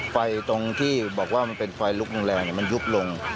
ไฟตรงที่บอกว่ามันเป็นไฟลุกโรงแรมมันยุบลง